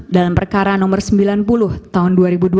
dalam perkara nomor sembilan puluh tahun dua ribu dua